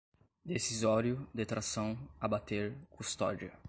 decisório, detração, abater, custódia